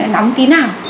nóng kí nào